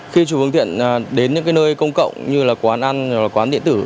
khi chủ phương tiện đến những nơi công cộng như là quán ăn quán điện tử